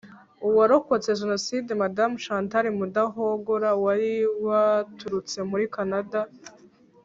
Uwarokotse Jenoside Madamu Chantal Mudahogora wari waturutse muri Canada